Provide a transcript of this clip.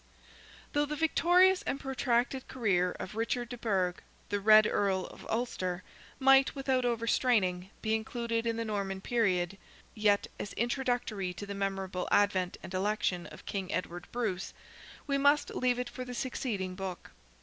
Though the victorious and protracted career of Richard de Burgh, the "Red Earl" of Ulster, might, without overstraining, be included in the Norman period, yet, as introductory to the memorable advent and election of King Edward Bruce, we must leave it for the succeeding book.